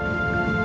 aku mau pergi